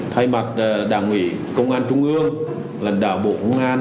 thay mặt đảng ủy công an trung ương lãnh đạo bộ công an